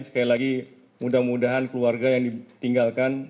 sekali lagi mudah mudahan keluarga yang ditinggalkan